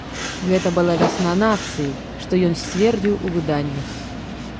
Гэта была вясна нацыі, што ён сцвердзіў у выданнях.